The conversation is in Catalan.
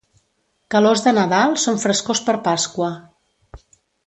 Calors de Nadal són frescors per Pasqua.